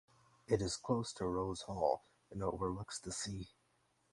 It is close to Rose Hall and overlooks the sea.